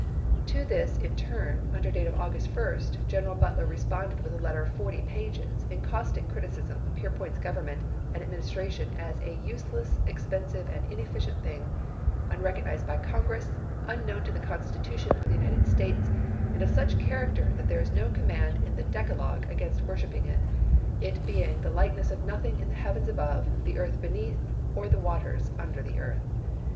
To this in MS turn, under date of August 1, General Butler responded with a letter of forty pages in caustic criticism of Peirpoint's government and admin istration as a " useless, expensive, and ineffi cient thing, unrecognized by Congress, unknown to the Constitution of the United States, and of such character that there is no command in the Decalogue against worshiping it, it being the like ness of nothing in the heavens above, the earth beneath, or the waters under the earth."